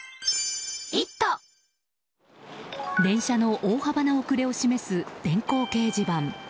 電車の大幅な遅れを示す電光掲示板。